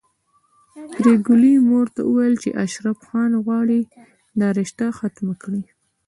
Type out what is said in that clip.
پري ګلې مور ته ويل چې اشرف خان غواړي دا رشته ختمه کړي